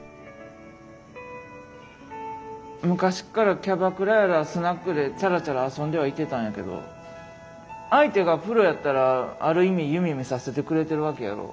昔からキャバクラやらスナックでチャラチャラ遊んではいてたんやけど相手がプロやったらある意味夢みさせてくれてるわけやろ？